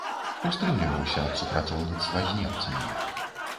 Устрымліваўся ад супрацоўніцтва з немцамі.